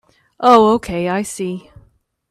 Oh okay, I see.